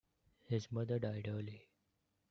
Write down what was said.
His mother died early.